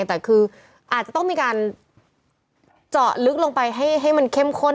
แต่คืออาจจะต้องมีการเจาะลึกลงไปให้มันเข้มข้นหรือมากกว่านี้ว่า